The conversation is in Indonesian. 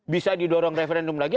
bisa didorong referendum lagi